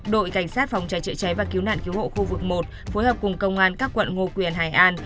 đội cảnh sát phòng cháy chữa cháy và cứu nạn cứu hộ khu vực một phối hợp cùng công an các quận ngô quyền hải an